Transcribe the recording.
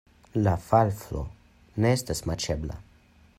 La vaflo ne estas maĉebla.